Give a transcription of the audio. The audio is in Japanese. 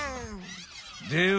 では